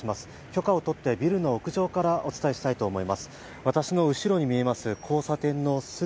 許可を取って、ビルの屋上からお伝えしたいと思います。